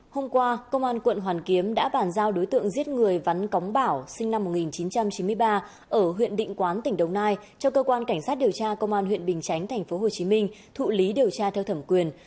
hôm qua công an quận hoàn kiếm đã bàn giao đối tượng giết người vắn cóng bảo sinh năm một nghìn chín trăm chín mươi ba ở huyện định quán tỉnh đồng nai cho cơ quan cảnh sát điều tra công an huyện bình chánh tp hcm thụ lý điều tra theo thẩm quyền